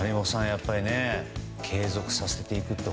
やっぱり継続させていくって